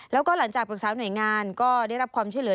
แล้วก็หลังจากปรึกษาหน่วยงานก็ได้รับความช่วยเหลือ